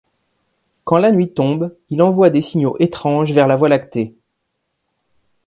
Quand la nuit tombe, il envoie des signaux étrange vers la voie lactée.